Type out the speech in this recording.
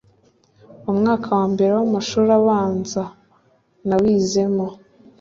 umwaka wa mbere w’amashuri abanza nawizemo